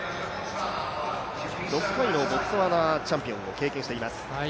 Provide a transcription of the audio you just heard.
６回のボツワナチャンピオンを経験しています。